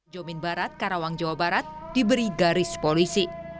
jomin barat karawang jawa barat diberi garis polisi